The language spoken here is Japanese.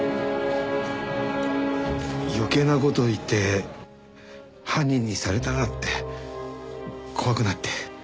余計な事を言って犯人にされたらって怖くなって。